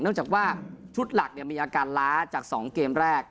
จากว่าชุดหลักมีอาการล้าจาก๒เกมแรก